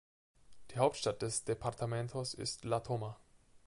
Die Hauptstadt des Departamentos ist La Toma.